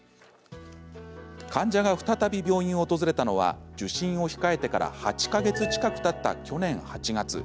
患者が再び病院を訪れたのは受診を控えてから８か月近くたった去年８月。